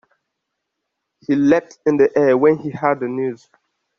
He leapt in the air when he heard the news.